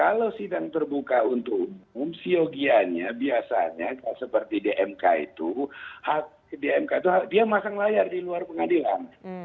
kalau sidang terbuka untuk umum siogiannya biasanya seperti dmk itu dia masang layar di luar pengadilan